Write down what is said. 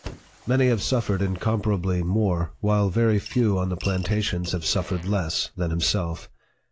Many have suffered incomparably more, while very few on the plantations have suffered less, than himself.